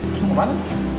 lo mau kemana